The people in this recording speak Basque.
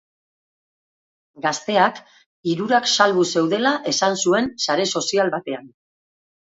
Gazteak hirurak salbu zeudela esan zuen sare sozial batean.